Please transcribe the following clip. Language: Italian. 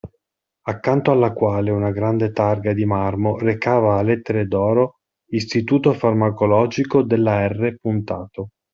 Accanto alla quale una grande targa di marmo recava a lettere d'oro: Istituto Farmacologico della R.